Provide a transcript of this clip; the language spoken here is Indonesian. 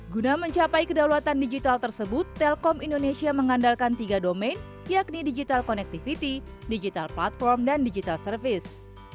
guna mencapai kedaulatan digital tersebut telkom indonesia mengandalkan tiga domain yakni digital connectivity digital platform dan digital service